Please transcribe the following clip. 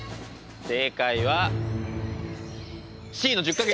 正解はＣの１０か月！